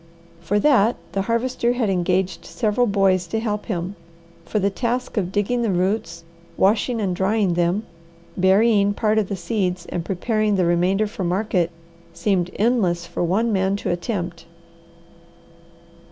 For that the Harvester had engaged several boys to help him, for the task of digging the roots, washing and drying them, burying part of the seeds and preparing the remainder for market seemed endless for one man to attempt.